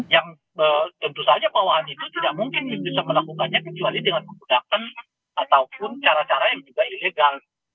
yang tentu saja bawahan itu tidak mungkin bisa melakukannya kecuali dengan menggunakan ataupun cara cara yang juga ilegal